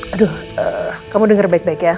aduh kamu dengar baik baik ya